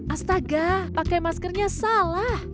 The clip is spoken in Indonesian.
astaga pakai maskernya salah